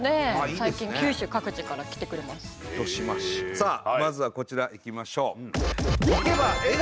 さあまずはこちらいきましょう。